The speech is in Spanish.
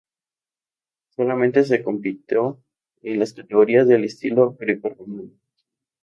Solamente se compitió en las categorías del estilo grecorromano.